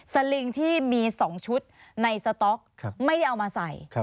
สลิงที่มี๒ชุดในสต๊อกไม่ได้เอามาใส่